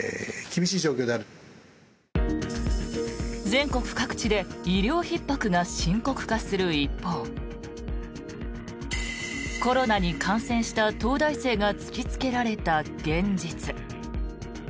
全国各地で医療ひっ迫が深刻化する一方コロナに感染した東大生が突きつけられた現実。